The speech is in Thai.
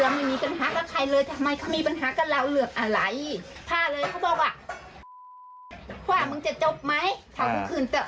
หนูก็บนหลุกหนูว่าเฮ้ยทำไมว่าบาทเราไม่มีปัญหากับใครแล้วทำไมคือเราสื่อแล้วไม่มีปัญหากับใครเลยทำไมเขามีปัญหากับเราเหลืออะไร